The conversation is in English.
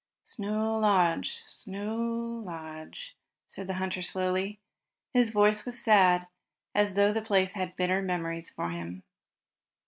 "Snow Lodge Snow Lodge," said the hunter slowly. His voice was sad, as though the place had bitter memories for him.